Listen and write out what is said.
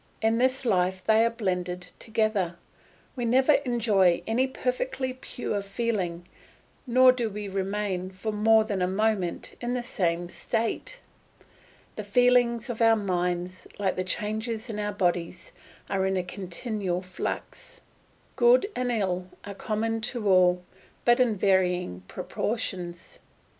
In this life they are blended together; we never enjoy any perfectly pure feeling, nor do we remain for more than a moment in the same state. The feelings of our minds, like the changes in our bodies, are in a continual flux. Good and ill are common to all, but in varying proportions.